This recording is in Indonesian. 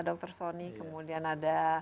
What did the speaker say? dr soni kemudian ada